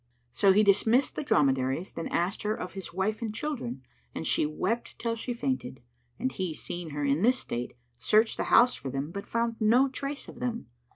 So he dismissed the dromedaries then asked her of his wife and children and she wept till she fainted, and he seeing her in this state searched the house for them, but found no trace of them.